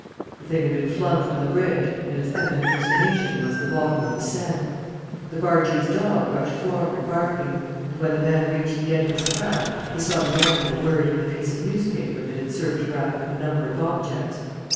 The thing had been flung from the bridge and its evident destination was the bottom of the Seine. The bargee's dog rushed forward, barking, and, when the man reached the end of his craft, he saw the animal worrying a piece of newspaper that had served to wrap up a number of objects.